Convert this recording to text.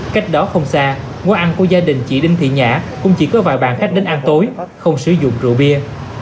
cách đó không xa quán ăn của gia đình chị đinh thị nhã cũng chỉ có vài bạn khách đến ăn tối không sử dụng rượu bia